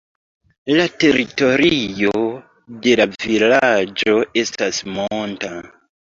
La teritorio de la vilaĝo estas monta.